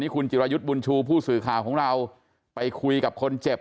คุณจิรายุทธ์บุญชูผู้สื่อข่าวของเราไปคุยกับคนเจ็บ